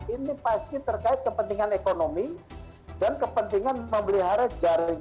ini pasti terkait kepentingan ekonomi dan kepentingan memelihara jaringan untuk solid satu sama lain